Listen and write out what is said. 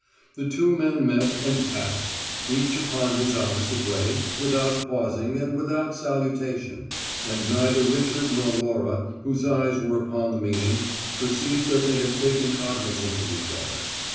The two men met and passed, each upon his opposite way, without pausing and without salutation, and neither Richard nor Laura, whose eyes were upon the meeting, perceived that they had taken cognizance of each other.